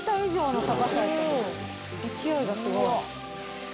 勢いがすごい。